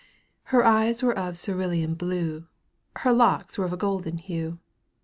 Her eyes were of cerulean blue. Her locks were of a golden hue.